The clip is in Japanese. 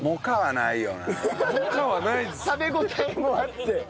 食べ応えもあって。